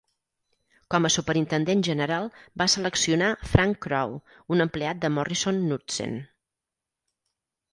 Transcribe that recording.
Com a superintendent general, va seleccionar Frank Crowe, un empleat de Morrison-Knudsen.